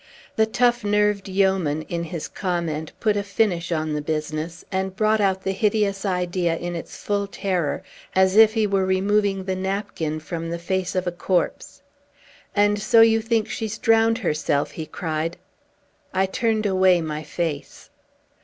The tough nerved yeoman, in his comment, put a finish on the business, and brought out the hideous idea in its full terror, as if he were removing the napkin from the face of a corpse. "And so you think she's drowned herself?" he cried. I turned away my face.